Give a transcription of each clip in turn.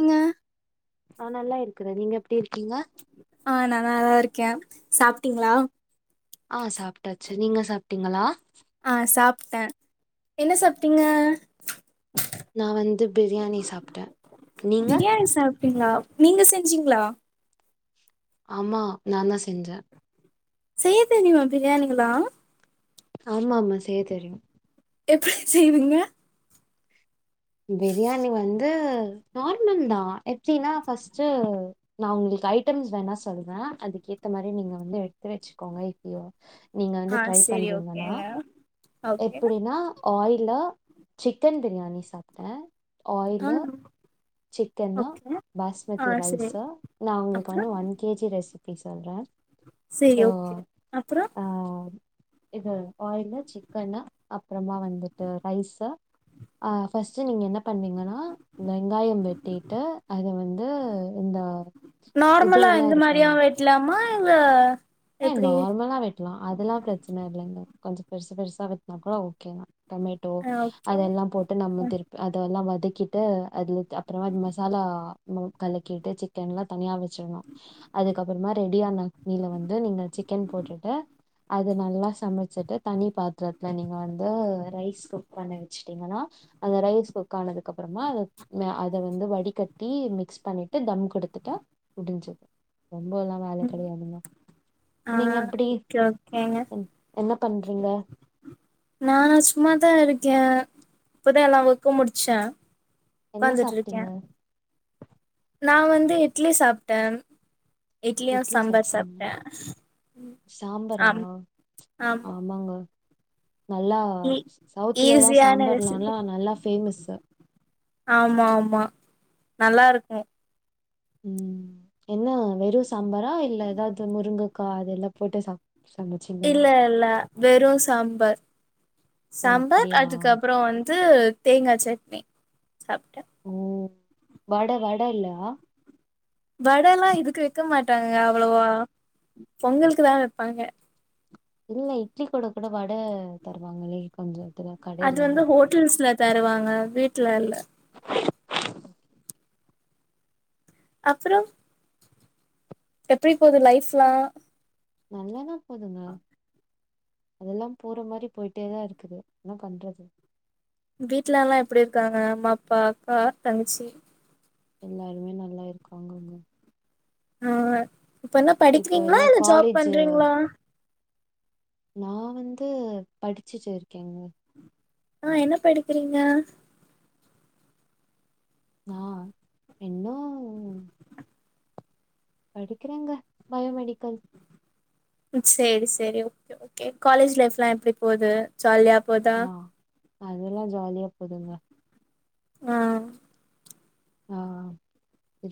நீங்க ஆ நல்லா இருக்குறே நீங்க எப்டி இருக்கீங்க ஆ நா நல்லா இருக்கே சாப்ட்டீங்களா ஆ சாப் டாச்சு நீங்க சாப்ட்டீங்களா ஆ சாப்ட்டே என்ன சாப்ட்டீங்க நா வந்து பிரியாணி சாப்ட்டே நீங்க அப்டிங்களா நீங்க செஞ்சீங்களா ஆமா நா தா செஞ்சே செய்ய தெரியுமா பிரியாணிலா ஆமா ஆமா செய்ய தெரியு எப்டி செய்வீங்க பிரியணி வந் து நார்மல் தான் எப்டின்னா ஃபஸ்ட்டு நா உங்களுக்கு ஐட்டம்ஸ் வேணா சொல்ற அதுக்கேத்த மாரி நீங்க வந்து எடுத்து வெச்சுக்கோங்க இப்பயே நீங்க வந்து ஆ ட்ரை செரி பண்றீங்கன்னா ஓகேங்க ஓகே எப்புடின்னா ஆயிலா சிக்கன் பிரியாணி சாப் ட்டே ஆ ஆயிலு சிக்கனு ஓகே ஆ பாஸ்மதி செரி ரைஸ்ஸு நா உங்களுக்கு அப்றோ வந்து ஒன் கேஜி ரெஸ் ரெசிப்பி சொல்றே செரி சோ ஓகே அப்றோ ஆ இது ஆயலு சிக்கனு அப்றமா வந்துட்டு ரைஸ்ஸு ஆ ஃபஸ்ட்டு நீங்க என்ன பண்விங்கன்னா இந்த வெங்காயம் வெட்டிட்டு அது வந்து இந்த இது எல்லா இருக்கும் அம்மா எங்கே ஏ நார்மலா வெ லாம் அதுல்லாம் பிரச்சன இல்லைங்க கொஞ்சோ பெருசு பெருசா வெட்னா கூட ஓகே தா டொமேட்டோ ஆ ஓகே அதெல்லா போட்டு நம்ம திருப்ப அதெல்லா திகிட்டு அதுல அப்றமா இது மசாலா கலக்கிட்டு சிக்கன்லாம் தனியா வச்சிடணும் அதுக்கப்பறமா ரெடியான [inaudible] வந்து து நீங்க சிக்கன் போட்டுட்டு அது நல்லா சமச்சிட்டு தனிபாத்திரத்துல நீங்க வந்து ரைஸ் குக் பண்ணி வச்சுட்டீங்கனா அந்த ரைஸ் குக்கானதுக் அதுக்கப்பறமா அ அத வந்து வடிகட் ட்டி மிக்ஸ் பண்ணிட்டு தம் குடுத்துட்டா முடிஞ்சிது ரொம்பெல்லா வேல ம். கெடையாதுங்க ஆ நீங்க எப்டி ஓகே ஓகேங்க என்ன பண்றீங்க நானா சும்மாதா இருக் ஆ இப்பதா எல்லா ஒர்க்கும் முடிச்சே என்ன உக்காந்துட்டு சாப்ட்டீங்க நான் வந்து இட்லி சாப்பிட்டேன் இட்லி சாப்பிட்டீங்க சாம்பரா ஆம் ஆமா ஆமாங்க நல்லா ஈ சவுத்லே எல்லா ஈஸியான சாம்பார் ரெசிபி நல்லா நல்லா ஃபேமஸு ஆமா ஆமா நல்லா இருக்கும் உம் என்ன வெறும் சாம்பாரா இல்ல ஏதாவது முருங்கக்கா அதெல்லா போட்டு சாம் இல்ல இல்ல வெறு சாம்பார் ஓ சாம்பார் அப்டியா அதுக்கப்பறம் வந்து து தேங்கா சட்னி சாப்ட்டே ஓ வட வட இல்லா வட எல்லா இதுக்கு வைக்க மாட்டாங்க அவ்வளவா பொங்கலுக்குதான் வைப்பாங்க இல்ல இட்லி கூட கூட வட தருவாங்களே கொஞ்சோ அது வந்து ஹோட்டெல்ஸ்ல தருவாங்க வீட்டுல இல்ல அப்றோ எப்படி போகுது லைஃப்லா நல்லாதான் போதுங்க அதெல்லா பொற மாறி போயிட்டேதான் இருக்குது என்னா பண்றது வீட்ல எல்லா எப்படி இருக்காங்க அம்மா அப்பா அக்கா தங்கச்சி எல்லாருமே நல்லா இருக்காங்கங்க ஆஆ இப்ப என்ன இப்போ படிக்கீங்களா எல்லா இல்ல ஜாப் காலேஜ் பண்றீங்களா நா வந்து படிச்சுட்டு இருக்கேங்க ஆஹ் என்ன படிக்கிறீங்க ஆஹ் இன்னும் படிக்கறேங்க பயோமெடிக்கல் செரி செரி ஒகே ஒகே காலேஜ் லைஃப் எல்லா எப்படி போகுது ஜாலியா போதா ஆ அதெல்லா ஜாலியா போதுங்க ஆஹ் ஆஹ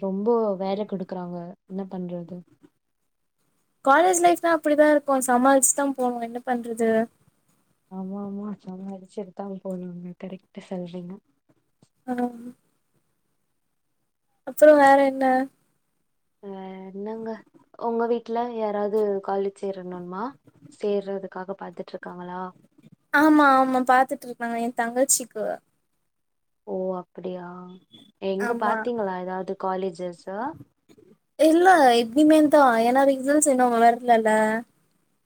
ரொம்ப வேல கொடுக்குறாங்க என்ன பண்றது காலேஜ் லைப் தான் அப்படிதான் இருக்கும் சமாளிச்சுதான் போணும் என்ன பண்றது ஆமா ஆமா சாமலிச்சுட்டு தான் போணுங்க கரெக்ட சொல்றீங்க அ அப்பறோ வேற என்ன வேற என்னங்க உங்க வீட் ட்ல யாராவது காலேஜ் சேரணும்மா சேர்றதுக்காக பாத்துட்டு இருக்காங்களா ஆமா ஆமா பாத்துட்டு இருக்காங்க என் தங்கச்சிக்கு ஓ அப்ப அப்டியா எங்க ஆமா பாத்தீங்களா ஏதாவது காலேஜ் ஜச இல்ல இனிமேல் தான் ஏன்னா ரிசல்ஸ் இன்னும் வரலல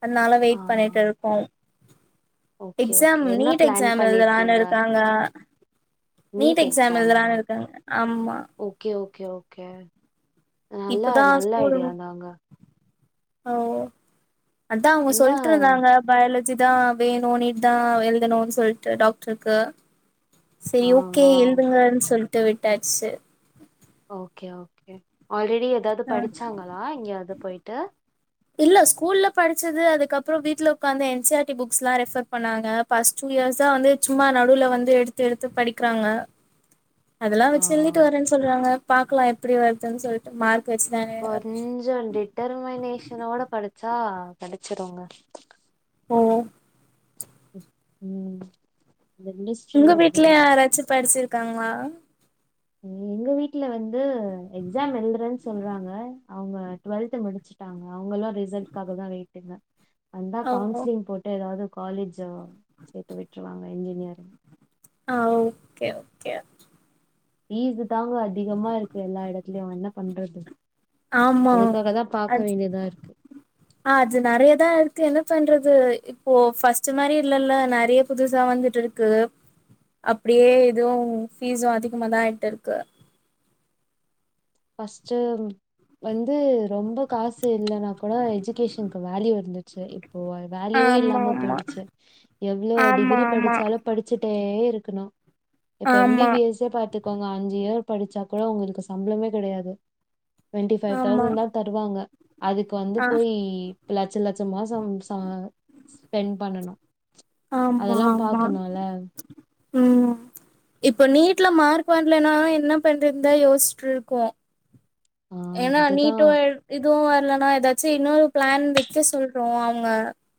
அதனால ஆ வெயிட் பண்ணிட்டு இருக்கோம் ஓகே எக்ஸாம் ஓகே என்ன நீட் பிளான் எக்ஸாம் எழுதலானு பண்ணிருக்கீங்க இருக்காங்க நீட் எக்ஸாம் எழுதலாம் இருக்காங்க ஆமா ஓகே ஓகே ஓகே நல்லா இப்பதா நல்ல ஸ்கூல் ஐடியாந்தாங்கா ஓ அதான் அவங்க என்ன சொல்ட்டுருந்தாங்க பயலஜ் இது தான் வேணும் நீட்தான் எழுதணுன் சொல்ட்டு டாக்டர்க்கு செரி ஆ ஓகே ஆ எழுதுங்கன் சொல் [unintelligible] ஓகே ஓகே ஆல்ரெடி ஏதாவது படிச்சாங்களா எங்யாது போயிட் ட இல்ல ஸ்கூல்ல படிச்சது புக்ஸ்லாம் ரெஃபர் பண்ணாங்க பர்ஸ்ட் டூ இயர்ஸா வந்து சும்மா நடுல வந்து எடுத்து எடுத்து படிக்கிறாங்க அதெல்லாம் ஆ வச்சு எழுதிட்டு வரேன் சொல்றாங்க பாக்லாம் எப்டி வருதுன் சொல்ட்டு மார்க் வச்சுதானே வருது. கொஞ்சம் டிட்டெர்மினேஷனோட படிச்சா கிடைச்சிருங்க ஹும் உம் உங்க வீட்ல யாரச்சு படிச்சிருக்காங்களா எங்க வீட்ல வந்து எக்ஸாம் எழுதுறேன்னு சொல்றாங்க அவங்க டுவெல்த் முடிச்சுட்டாங்க அவங்கல்லாம் ரிசல்ட்காகதான் வெயிட்டுங்க வந்தா ஓ கவுன்சிலிங் போட்டு ஏதாவது காலேஜ சேத்து விட்டுருவாங்க இன்ஜினியரிங் ஆஹ் ஓகே ஓகே ஃபீஸ் தாங்க அதிகமா இருக்கு எல்லா இடத்துலயும் என்ன பண்றது ஆமா அதுக்காக தான் பாக்க ஆஹ் வேண்டியதா இருக்கு. அது நிறையதான் இருக்கு என்ன பண்றது இப்போ பர்ஸ்ட் மாதிரி இல்லல்ல நிறைய புதுசா வந்துட்டு இருக்கு அப்டியே இதுவும் பீஸும் அதிகமாதான் ஆயிட்டு இருக்கு ஃபஸ்ட் வந்து ரொம்ப காசு இல்ன்னா கூட எஜுகேஷனுக்கு வேல்யூ இருந்துச்சு போ வேல்யூவே ஆமா இல்லாம போயிடுச்சு எவ்ளோ ஆமா டிகிரி ஆமா படிச்சாலும் படிச்சுட்டே இருக்கணும் இப்ப எம் பி ஆமா பி எஸ் சே பாத்துக்கோங்க அஞ்சு இயர் படிச்சா கூட உங்களுக்கு சம்பளமே கிடையாது டுவெண்டி ஃபைவ் ஆமா ஆமா தௌசண்ட் தான் தருவாங்க அதுக்கு வந்து ஆ போய் லட்ச லட் கொஞ்ச மாசம் ச ஸ்பெண்ட் பண்ணனு அதெல்லா பாக்கணுல உம் இப்ப நீட்ல மார்க் பண்டலனாலு என்ன பண்ரந்து யோசிச்சட்டுருக்கோம் ஆ ஏன்னா அதுதா நீட்டும் இதுவு இல்லனா ஏதாச்சும் இன்னொரு பிளான் வெக்க சொல்லாறங்க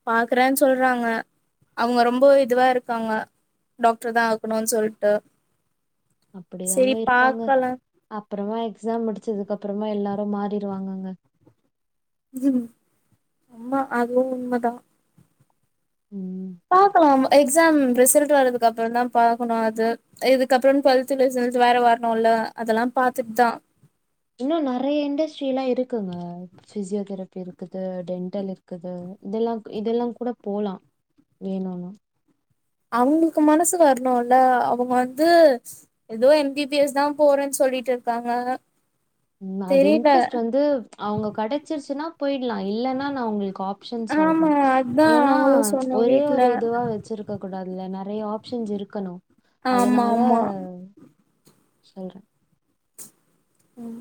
பாக்குறேன்னு சொல்றாங்க அவங்க ரொம்ப இதுவா இருக்காங்க டாக்டர் தா ஆக்கணும் சொல்லிட்டு அப்படிதாங்க இருப்பாங்க அப்புறமா எக்ஸாம் முடிச்சதுக்கு அப்புறமா எல்லாரும் மாறிடுவாங்கங்க உம் ரமா அதுவும் உண்மைதா ம் பாக்கலாம் எக்ஸாம் ரிசல்ட் வரதுக்கு அப்புறம் தா பாக்கணும் அது இதுக்கப்புறம் டுவெல்த் ரிசல்ட் வேற வரணும்ல்ல அதெல்லா பாத்துட்டு தா இன்னும் நிறைய இண்டஸ்ட்ரி எல்லாம் இருக்குங்க பிசியோதெரபி இருக்குது டென்டல் இருக்குது இதெல்லாம் இதெல்லாம் கூட போலாம் வேணுன்ன அவங்களுக்கு மனசு வரணும்ல அவங்க வந்து ஏதோ எம் பி பி எஸ் தா போறேன்னு சொல்லிட்டு இருக்காங்க அது தெரியல இன்ட்ரெஸ்ட் வந்து அவங்க கிடைச்சிருச்சுன்னா போயிடலாம் இல்லனா நான் உங்களுக்கு காப் அப்சன் சொல்றே ஆமா அதா ஏன்னா அவங்களு சொன்னோ ஒரே ஒரு வீட்ல இதுவா வச்சிருக்க கூடாது இதுல நிறைய ஆப்ஷன்ஸ் இருக்கணும் ஆமா அதனால ஆமா சொல்ற ம்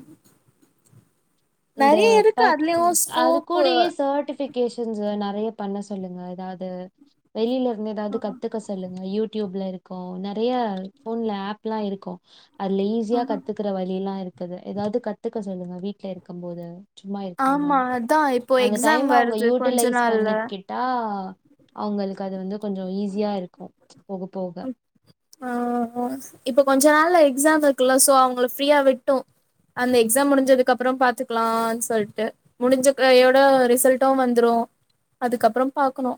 இந்த பட் அது ஸ்கோப்பு கூடயே சர்டிபிகே ஃபிகேஷன்ஸ் நிறைய பண்ண சொல்லுங்க எதாவது வெளியில இரு ஏதாவது கத்துக்க சொல்லுங்க யூடியூப்ல இருக் ருக்கு நிறைய போன்ல ஏப் எல்லா இருக்கு அதுல ஆ ஈஸியா கத்துக்கற வழி எல்லாம் இருக்குது ஏதாவது கத்துக்க சொல்லுங்க வீ சேரி இருக்கும் போது சும்மா இருக்காம ஆமா அதா இப்போ அந்த எக்ஸாம் டைம் அவங்க வருது கொஞ்ச யூட்டிலைஸ் நாள்ல பண்ணிக்கிட்டா அவங்களுக்கு அது வந்து கொஞ்சம் ஈஸியா இருக்கும் போக போக ம் ஆஹ் [unintelligible] இப்ப கொஞ்ச நாள் எக்ஸாம் இருக்கலா சோ அவங்கள ப்பிரியா விட்டோ அந்த எக்ஸாம் முடிஞ்சதுக்குப்புறம் பாத்துக்கலானு சொல்லிட்டு முடிஞ்ச கையோட ரிசல்ட்டும் வந்துரும் அதுக்கப்புறம் பாக்கணு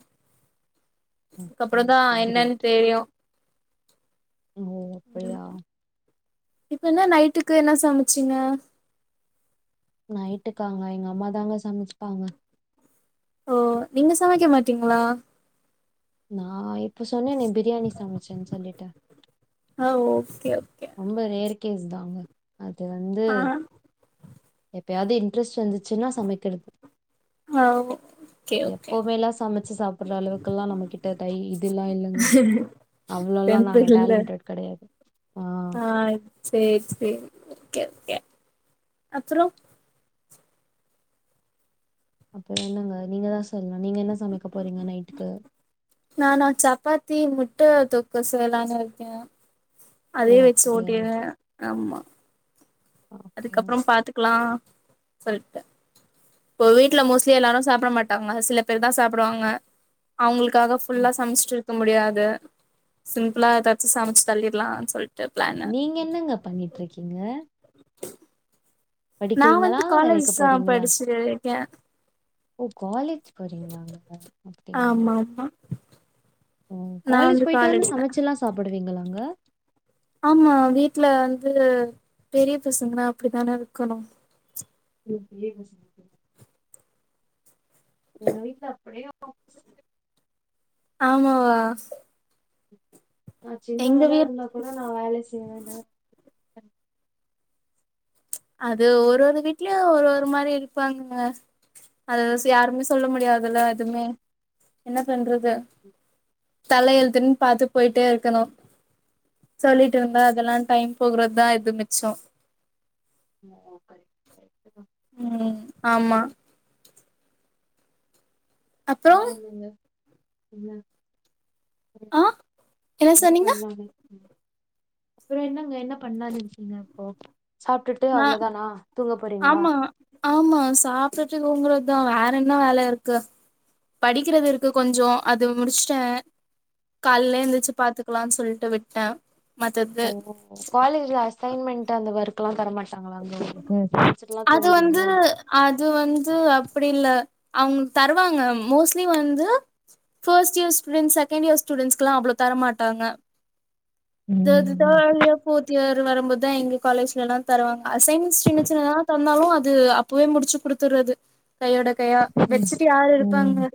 ஓகே அப்புற தா ஓகே என்னன்னு கிரேட் தெரியும் ஓ அப்படியா இப்ப என்ன நைட்டுக்கு என்ன சமைச்சீங்க நைட்டுக்காங்க எங்க அம்மா தாங்க சமச்ப்பாங்க ஓ நீங்க சமைக்க மாட்டீங்களா நா இப் அப்ப சொன்னேனே பிரியாணி சமைச்சேன்னு சொல்லிட்டு அஹ் ஓகே ஓகே ரொம்ப ரேரு கேஸ் தாங்க அது வந்து ஆ எப்பயாவது இன்ட்ரெஸ்ட் வந்து சின்னா சமைக்கர்து ஆ ஓகே ஓகே எப்பவுமேலா சமச்சு சாப்பட்ற அளவுக்குல்லா நம்ம கிட்ட டை இதுல்லா இல்லங்க அவ்ளோலா நாங்க டேலன்டட் கெடையாது ஆஹ் சேரி சேரி ஓகே ஓகே அப்ரொ அப்ரோ என்னங்க நீங்கதா தெரில நீங்க என்ன சமைக்க போறீங்க நைட்டுக்கு நானா சப்பாத்தி முட்ட தொக்கு செய்லானு இருக்கே ஓ அதயே வெச்சு அப்படியா ஓட்டிடுவே ஆமா ஓகே அதுக்கப்றம் ஓகே பாத்துக்கலா சொல்ட்ட இப்ப வீட்ல மோஸ்ட்லி எல்லாரு சாப்ட மாட்டாங்க சில பேர் தா சாப்புடுவாங்க அவுங்களுக் க்காக ம். ஃபுல்லா சமச்சிட்டு க்க முடியாது சிம்புளா ஏதாச்சு சமச்சு தள்ளிட்லா சொல் நீங்க என்னங்க பண்ணிட்ருக்கீங்க நா வந்து காலேஜ் வேலைக்கு தா போறீங்களா படிச்சு ய ஓ காலேஜ் போறீங்களாங்க அப்டியா ஆமா ஆமா ஓ காலேஜ் போயிட்டு வந்து சமச்சுல்லா சாப்புடுவீங்களாங்க ஆமா வீட்ல வந்து பெரிய பசங்க அப்டிதான இருக்கணும் [unintelligible] எங்க வீட்ல அப்டியே ஆப்போசிட்டு ஆமாவா நா எங்க சின்னவலா வீட் இருந்தா கூட நா வேலையே செய்ய வேண்டா அது ஒரு ஒரு வீட்லயு ஒரு ஒரு மாரி இருப்பாங்க அத யாருமே சொல்ல முடியாதுல்ல எதுமே என்ன பண்றது தலையெலுத்துன்னு பாத்து போயிட்டே இருக்கணு சொல்லிட்ருந்தா அதெல்லா டைம் போகுறதா இது மிச்சம் [unintelligible] ஆம்மா அப்றோ வேறென்னங்க என்ன ஆ என்ன பண்லானு அப்பற என்னங்க என்ன பண்லான்னு இருக்கீங்க இப்போ சாப்ட்டுட்டு நா அவ்ளோதானா தூங்க போறீங்களா ஆம்மா ஆம்மா சாப்டுட்டு ரூம்ல அதா வேற என்ன வேல இருக்கு படிக்கிறது இருக்கு கொஞ்சோ அது முடிச்சுட்ட கால்ல எந்திரிச்சி பாத்துக்கலானு சொல்லிட்டு விட்ட ஓ காலேஜ்ல அசைன்மெண்ட் அந்த ஓர்க் க்லா தரமாட் அது வந்து அது வந்து அப்டி இல்ல அவங்க தர்வாங்க மோஸ்லி வந்து first year students second year ஸ்டூடெண்ட்ஸ்க்லா அவ்ளோ தரமாட்டாங்க அது அதுதா ம் [unintelligible] ஃபோர்த் இயர் வரும்போதுதா எங்ளு காலேஜ்லலா தருவாங்க அசைன்ஸ் சின்ன சின்னதா தந்தாலு அத அப்பவே முடிச்சு குடுத்துட்றது கையோட கையா சரி வெச்சுட்டு யார் ம் இருப்பாங்க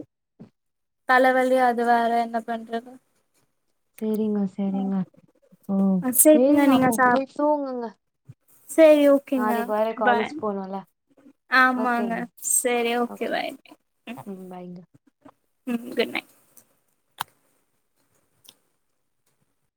தலவலி அது வேற என்ன பண்றது செரிங்க செரிங்க ஓ ஆ சரிங்க சேரிங்க அப்ப போய்த்தூங்குங்க சேரி ஓக்கேங்க பாய் போணுல ஆம்மாங்க ஓகேங்க சேரி ஓக்கே ஓகேங்க பாய் ம் ம் குட் நைட்